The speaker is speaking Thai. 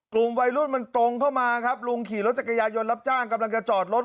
กลุ่มวัยรุ่นมันตรงเข้ามาครับลุงขี่รถจักรยายนรับจ้างกำลังจะจอดรถ